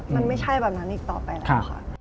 มันไม่ใช่แบบนั้นอีกต่อไปแล้วค่ะ